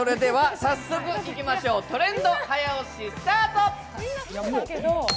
早速いきましょう、トレンド早押しスタート。